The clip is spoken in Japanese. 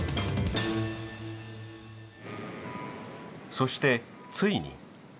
そしてついに。